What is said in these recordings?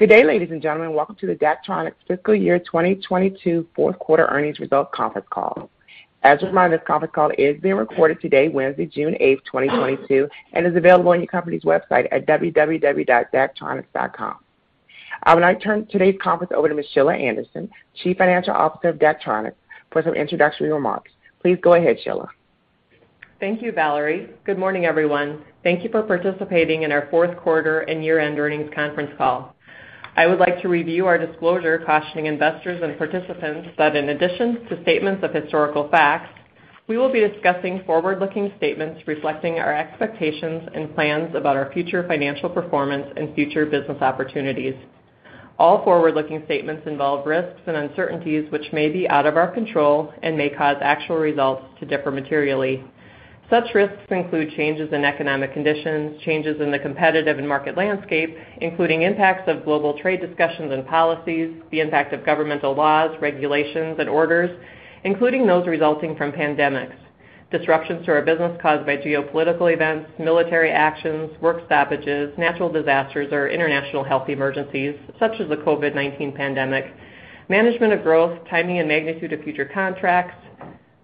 Good day, ladies and gentlemen. Welcome to the Daktronics Fiscal Year 2022 Fourth Quarter Earnings Result Conference Call. As a reminder, this conference call is being recorded today, Wednesday, June 8, 2022, and is available on your company's website at www.daktronics.com. I would now turn today's conference over to Ms. Sheila Anderson, Chief Financial Officer of Daktronics, for some introductory remarks. Please go ahead, Sheila. Thank you, Valerie. Good morning, everyone. Thank you for participating in our fourth quarter and year-end earnings conference call. I would like to review our disclosure, cautioning investors and participants that in addition to statements of historical facts, we will be discussing forward-looking statements reflecting our expectations and plans about our future financial performance and future business opportunities. All forward-looking statements involve risks and uncertainties which may be out of our control and may cause actual results to differ materially. Such risks include changes in economic conditions, changes in the competitive and market landscape, including impacts of global trade discussions and policies, the impact of governmental laws, regulations and orders, including those resulting from pandemics, disruptions to our business caused by geopolitical events, military actions, work stoppages, natural disasters, or international health emergencies such as the COVID-19 pandemic, management of growth, timing and magnitude of future contracts,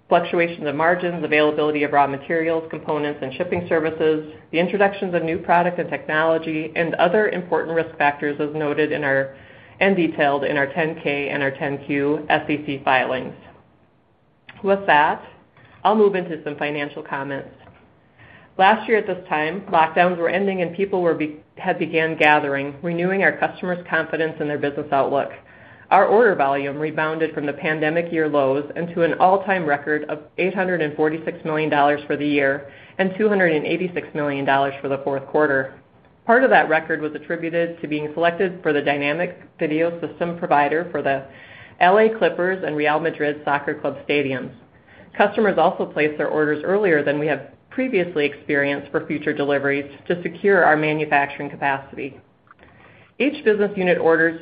fluctuations in margins, availability of raw materials, components and shipping services, the introductions of new product and technology, and other important risk factors as noted in our and detailed in our 10-K and our 10-Q SEC filings. With that, I'll move into some financial comments. Last year at this time, lockdowns were ending and people had begun gathering, renewing our customers' confidence in their business outlook. Our order volume rebounded from the pandemic year lows into an all-time record of $846 million for the year and $286 million for the fourth quarter. Part of that record was attributed to being selected as the video display system provider for the LA Clippers and Real Madrid soccer club stadiums. Customers also placed their orders earlier than we have previously experienced for future deliveries to secure our manufacturing capacity. Each business unit order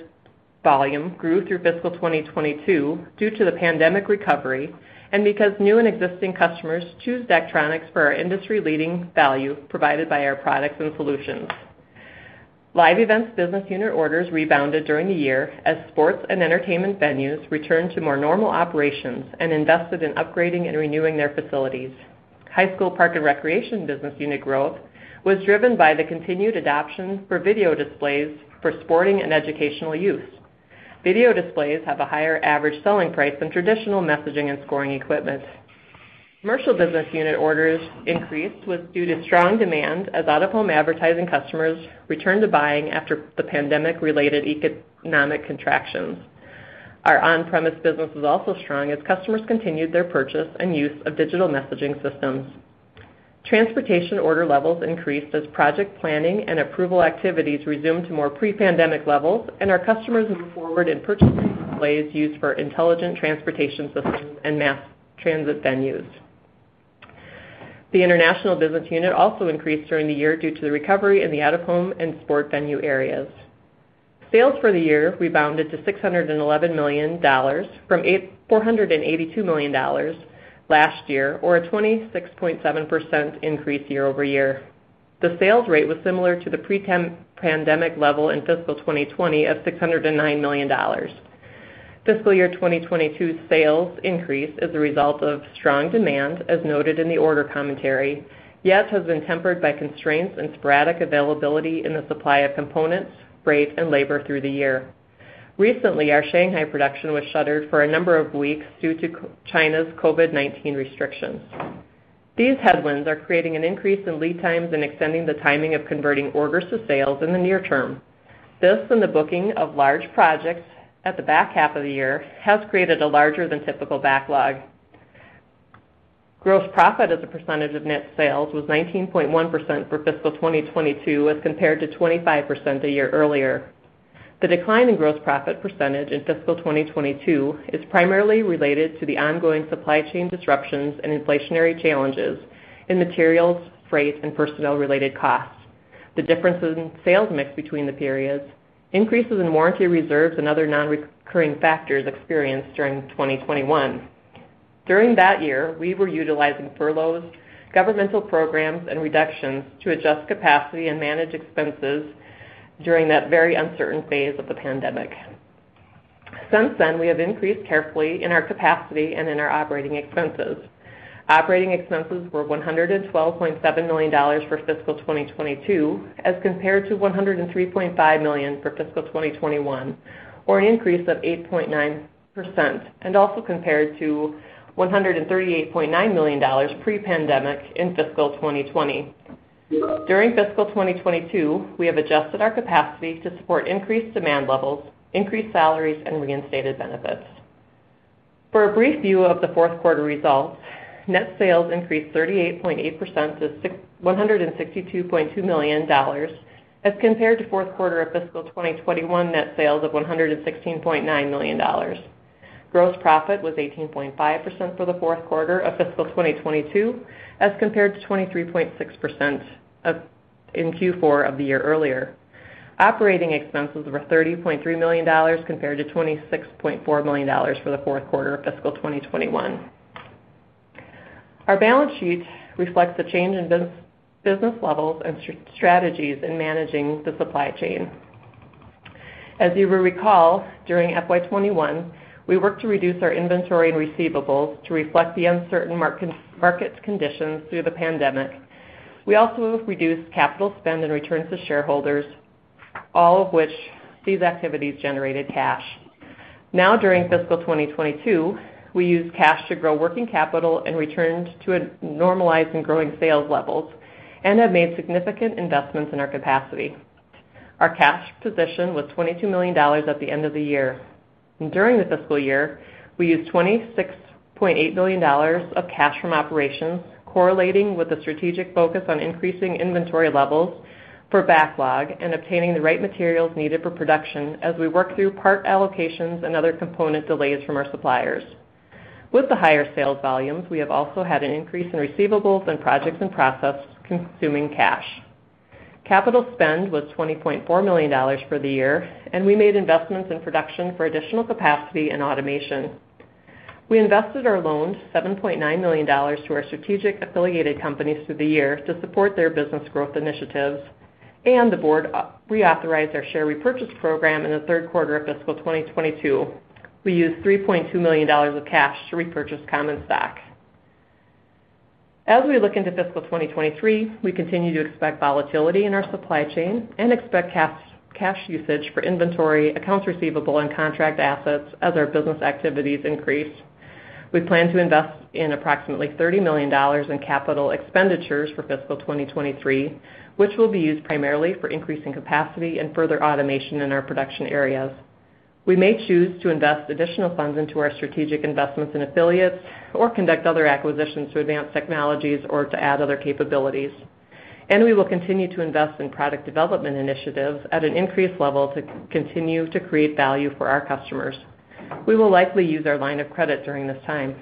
volume grew through fiscal 2022 due to the pandemic recovery and because new and existing customers choose Daktronics for our industry-leading value provided by our products and solutions. Live events business unit orders rebounded during the year as sports and entertainment venues returned to more normal operations and invested in upgrading and renewing their facilities. High school park and recreation business unit growth was driven by the continued adoption for video displays for sporting and educational use. Video displays have a higher average selling price than traditional messaging and scoring equipment. Commercial business unit orders increased due to strong demand as out-of-home advertising customers returned to buying after the pandemic-related economic contractions. Our on-premise business was also strong as customers continued their purchase and use of digital messaging systems. Transportation order levels increased as project planning and approval activities resumed to more pre-pandemic levels and our customers moved forward in purchasing displays used for intelligent transportation systems and mass transit venues. The international business unit also increased during the year due to the recovery in the out-of-home and sport venue areas. Sales for the year rebounded to $611 million from $482 million last year, or a 26.7% increase year-over-year. The sales rate was similar to the pre-pandemic level in fiscal 2020 of $609 million. Fiscal year 2022's sales increase is a result of strong demand, as noted in the order commentary, yet has been tempered by constraints and sporadic availability in the supply of components, freight, and labor through the year. Recently, our Shanghai production was shuttered for a number of weeks due to China's COVID-19 restrictions. These headwinds are creating an increase in lead times and extending the timing of converting orders to sales in the near term. This and the booking of large projects at the back half of the year has created a larger than typical backlog. Gross profit as a percentage of net sales was 19.1% for fiscal 2022, as compared to 25% a year earlier. The decline in gross profit percentage in fiscal 2022 is primarily related to the ongoing supply chain disruptions and inflationary challenges in materials, freight, and personnel-related costs. The differences in sales mix between the periods, increases in warranty reserves and other non-recurring factors experienced during 2021. During that year, we were utilizing furloughs, governmental programs, and reductions to adjust capacity and manage expenses during that very uncertain phase of the pandemic. Since then, we have increased carefully in our capacity and in our operating expenses. Operating expenses were $112.7 million for fiscal 2022, as compared to $103.5 million for fiscal 2021, or an increase of 8.9%, and also compared to $138.9 million pre-pandemic in fiscal 2020. During fiscal 2022, we have adjusted our capacity to support increased demand levels, increased salaries, and reinstated benefits. For a brief view of the fourth quarter results, net sales increased 38.8% to $162.2 million as compared to fourth quarter of fiscal 2021 net sales of $116.9 million. Gross profit was 18.5% for the fourth quarter of fiscal 2022, as compared to 23.6% in Q4 of the year earlier. Operating expenses were $30.3 million compared to $26.4 million for the fourth quarter of fiscal 2021. Our balance sheet reflects the change in business levels and strategies in managing the supply chain. As you will recall, during FY 2021, we worked to reduce our inventory and receivables to reflect the uncertain market conditions through the pandemic. We also reduced capital spend and returns to shareholders, all of which these activities generated cash. Now, during fiscal 2022, we used cash to grow working capital and returned to a normalized and growing sales levels, and have made significant investments in our capacity. Our cash position was $22 million at the end of the year. During the fiscal year, we used $26.8 million of cash from operations correlating with the strategic focus on increasing inventory levels for backlog and obtaining the right materials needed for production as we work through part allocations and other component delays from our suppliers. With the higher sales volumes, we have also had an increase in receivables and projects in process consuming cash. Capital spend was $20.4 million for the year, and we made investments in production for additional capacity and automation. We invested or loaned $7.9 million to our strategic affiliated companies through the year to support their business growth initiatives. The board reauthorized our share repurchase program in the third quarter of fiscal 2022. We used $3.2 million of cash to repurchase common stock. As we look into fiscal 2023, we continue to expect volatility in our supply chain and expect cash usage for inventory, accounts receivable, and contract assets as our business activities increase. We plan to invest in approximately $30 million in capital expenditures for fiscal 2023, which will be used primarily for increasing capacity and further automation in our production areas. We may choose to invest additional funds into our strategic investments in affiliates or conduct other acquisitions to advance technologies or to add other capabilities. We will continue to invest in product development initiatives at an increased level to continue to create value for our customers. We will likely use our line of credit during this time.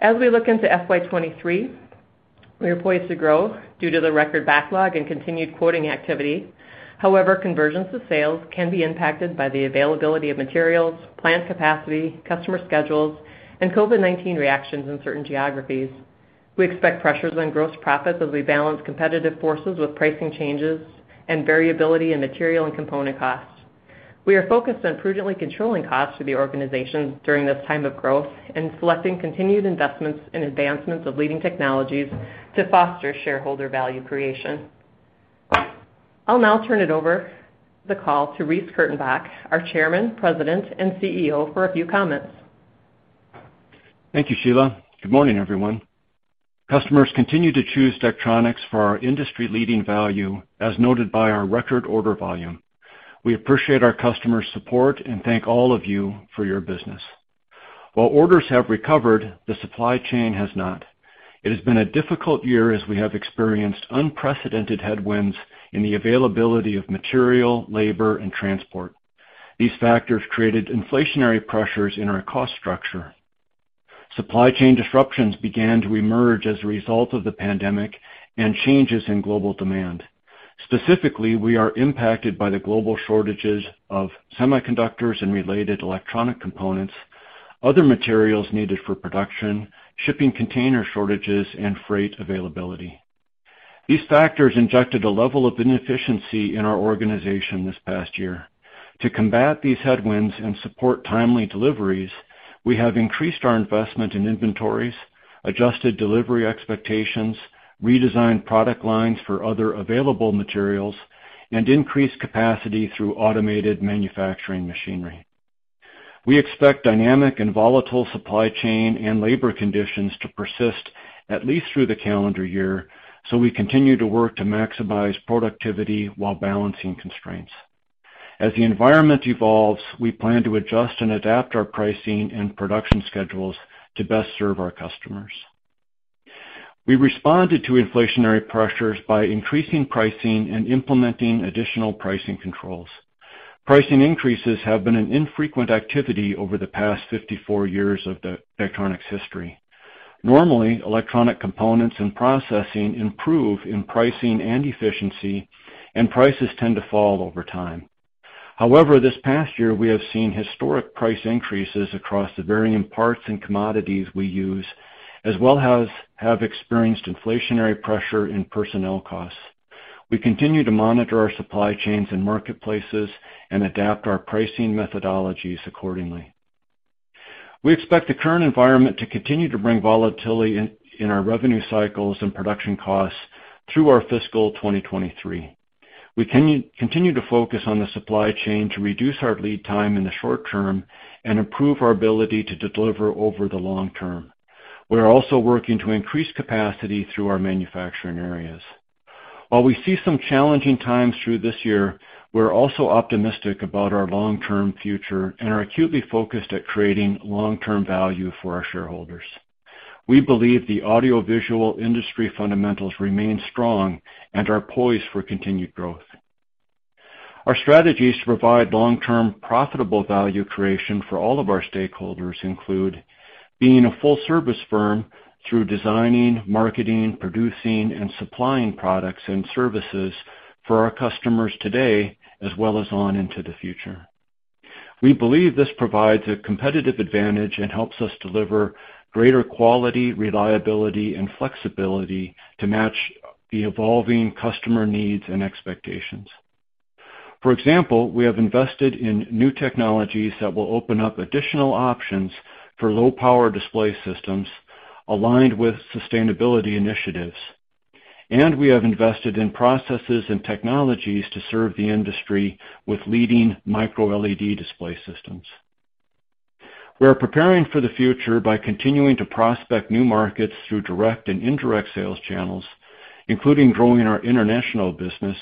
As we look into FY 2023, we are poised to grow due to the record backlog and continued quoting activity. However, conversions to sales can be impacted by the availability of materials, plant capacity, customer schedules, and COVID-19 reactions in certain geographies. We expect pressures on gross profits as we balance competitive forces with pricing changes and variability in material and component costs. We are focused on prudently controlling costs for the organization during this time of growth and selecting continued investments in advancements of leading technologies to foster shareholder value creation. I'll now turn the call over to Reece Kurtenbach, our Chairman, President, and CEO, for a few comments. Thank you, Sheila. Good morning, everyone. Customers continue to choose Daktronics for our industry-leading value, as noted by our record order volume. We appreciate our customers' support and thank all of you for your business. While orders have recovered, the supply chain has not. It has been a difficult year as we have experienced unprecedented headwinds in the availability of material, labor, and transport. These factors created inflationary pressures in our cost structure. Supply chain disruptions began to emerge as a result of the pandemic and changes in global demand. Specifically, we are impacted by the global shortages of semiconductors and related electronic components, other materials needed for production, shipping container shortages, and freight availability. These factors injected a level of inefficiency in our organization this past year. To combat these headwinds and support timely deliveries, we have increased our investment in inventories, adjusted delivery expectations, redesigned product lines for other available materials, and increased capacity through automated manufacturing machinery. We expect dynamic and volatile supply chain and labor conditions to persist at least through the calendar year, so we continue to work to maximize productivity while balancing constraints. As the environment evolves, we plan to adjust and adapt our pricing and production schedules to best serve our customers. We responded to inflationary pressures by increasing pricing and implementing additional pricing controls. Pricing increases have been an infrequent activity over the past 54 years of the Daktronics history. Normally, electronic components and processing improve in pricing and efficiency, and prices tend to fall over time. However, this past year we have seen historic price increases across the varying parts and commodities we use, as well as have experienced inflationary pressure in personnel costs. We continue to monitor our supply chains and marketplaces and adapt our pricing methodologies accordingly. We expect the current environment to continue to bring volatility in our revenue cycles and production costs through our fiscal 2023. We continue to focus on the supply chain to reduce our lead time in the short term and improve our ability to deliver over the long term. We're also working to increase capacity through our manufacturing areas. While we see some challenging times through this year, we're also optimistic about our long-term future and are acutely focused at creating long-term value for our shareholders. We believe the audiovisual industry fundamentals remain strong and are poised for continued growth. Our strategies to provide long-term profitable value creation for all of our stakeholders include being a full service firm through designing, marketing, producing, and supplying products and services for our customers today as well as on into the future. We believe this provides a competitive advantage and helps us deliver greater quality, reliability and flexibility to match the evolving customer needs and expectations. For example, we have invested in new technologies that will open up additional options for low power display systems aligned with sustainability initiatives. We have invested in processes and technologies to serve the industry with leading microLED display systems. We are preparing for the future by continuing to prospect new markets through direct and indirect sales channels, including growing our international business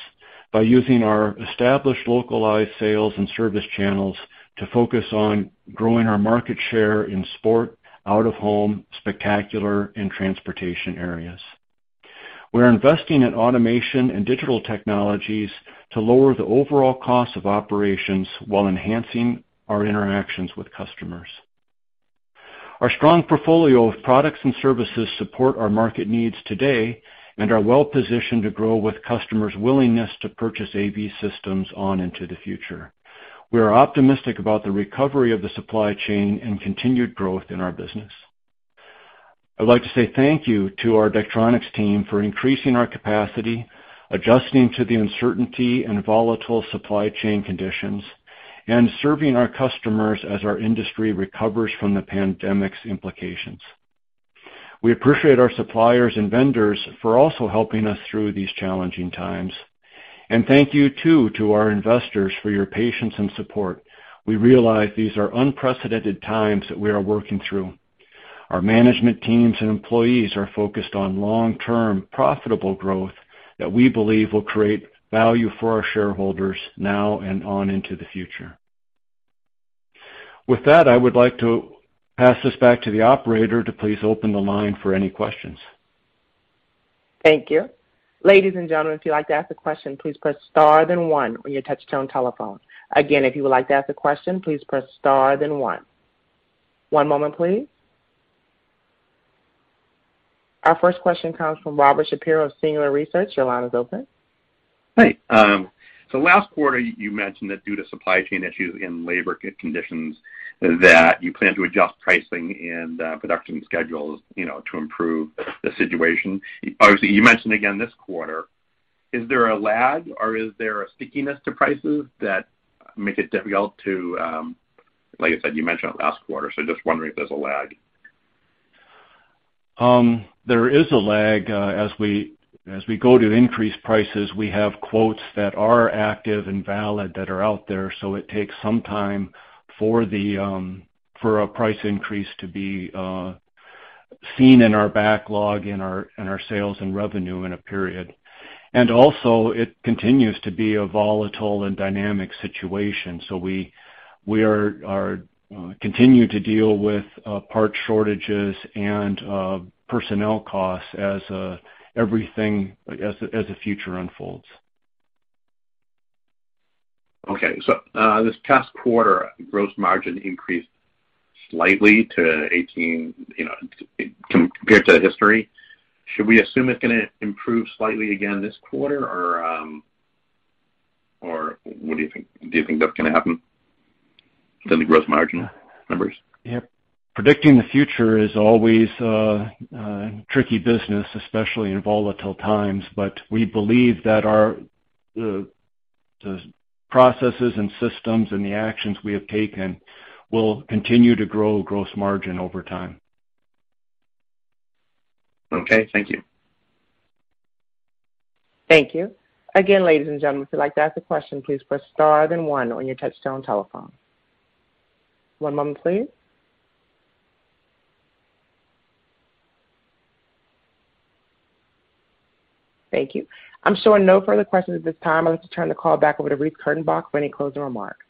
by using our established localized sales and service channels to focus on growing our market share in sport, out-of-home, spectacular, and transportation areas. We're investing in automation and digital technologies to lower the overall cost of operations while enhancing our interactions with customers. Our strong portfolio of products and services support our market needs today and are well-positioned to grow with customers' willingness to purchase AV systems on into the future. We are optimistic about the recovery of the supply chain and continued growth in our business. I'd like to say thank you to our Daktronics team for increasing our capacity, adjusting to the uncertainty and volatile supply chain conditions, and serving our customers as our industry recovers from the pandemic's implications. We appreciate our suppliers and vendors for also helping us through these challenging times. Thank you, too, to our investors for your patience and support. We realize these are unprecedented times that we are working through. Our management teams and employees are focused on long-term profitable growth that we believe will create value for our shareholders now and on into the future. With that, I would like to pass this back to the operator to please open the line for any questions. Thank you. Ladies and gentlemen, if you'd like to ask a question, please press star then one on your touchtone telephone. Again, if you would like to ask a question, please press star then one. One moment, please. Our first question comes from Robert Shapiro of Singular Research. Your line is open. Hi. Last quarter, you mentioned that due to supply chain issues and labor conditions, that you plan to adjust pricing and production schedules, you know, to improve the situation. Obviously, you mentioned again this quarter. Is there a lag or is there a stickiness to prices that make it difficult to. Like I said, you mentioned it last quarter, so just wondering if there's a lag. There is a lag. As we go to increase prices, we have quotes that are active and valid that are out there, so it takes some time for a price increase to be seen in our backlog, in our sales and revenue in a period. Also it continues to be a volatile and dynamic situation. We continue to deal with parts shortages and personnel costs as the future unfolds. This past quarter, gross margin increased slightly to 18%, you know, compared to history. Should we assume it's gonna improve slightly again this quarter or what do you think? Do you think that's gonna happen to the gross margin numbers? Yeah. Predicting the future is always a tricky business, especially in volatile times, but we believe that our processes and systems and the actions we have taken will continue to grow gross margin over time. Okay. Thank you. Thank you. Again, ladies and gentlemen, if you'd like to ask a question, please press star then one on your touchtone telephone. One moment, please. Thank you. I'm showing no further questions at this time. I'd like to turn the call back over to Reece Kurtenbach for any closing remarks.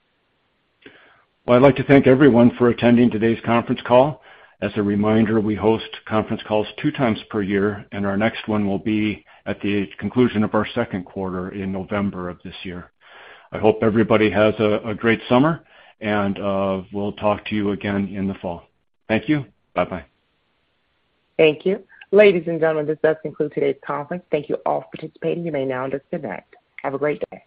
Well, I'd like to thank everyone for attending today's conference call. As a reminder, we host conference calls two times per year, and our next one will be at the conclusion of our second quarter in November of this year. I hope everybody has a great summer, and we'll talk to you again in the fall. Thank you. Bye-bye. Thank you. Ladies and gentlemen, this does conclude today's conference. Thank you all for participating. You may now disconnect. Have a great day.